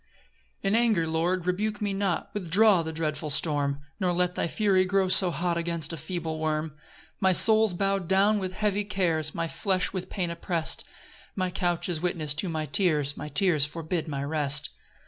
1 In anger, Lord, rebuke me not, Withdraw the dreadful storm; Nor let thy fury grow so hot Against a feeble worm. 2 My soul's bow'd down with heavy cares, My flesh with pain oppress'd; My couch is witness to my tears, My tears forbid my rest.